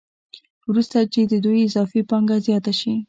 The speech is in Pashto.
وروسته چې د دوی اضافي پانګه زیاته شي